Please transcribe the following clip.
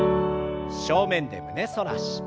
正面で胸反らし。